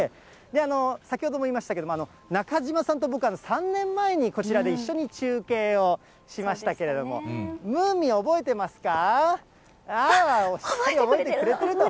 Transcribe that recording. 先ほども言いましたけど、中島さんと僕は、３年前にこちらで一緒に中継をしましたけれども、ムーミンは覚えてますか？